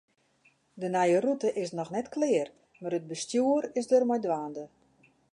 De nije rûte is noch net klear, mar it bestjoer is der mei dwaande.